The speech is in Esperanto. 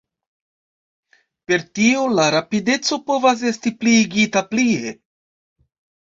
Per tio la rapideco povas esti pliigita plie.